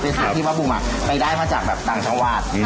เป็นสูตรที่ว่าบุ้มไปได้มาจากต่างชาวาส